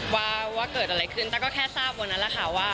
ว่าเกิดอะไรขึ้นแต่ก็แค่ทราบว่านั้นนะคะ